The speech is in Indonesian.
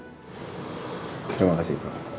terima kasih prof